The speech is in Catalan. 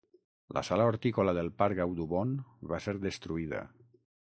La sala hortícola del parc Audubon va ser destruïda.